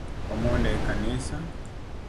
Wamond ekanisa